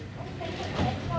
và các bệnh nhân đột quỵ